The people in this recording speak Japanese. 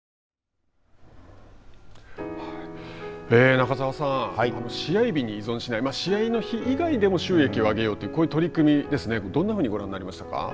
中澤さん試合日に依存しない試合の日以外にも収益を上げようといったこういう取り組みどんなふうにご覧になりましたか。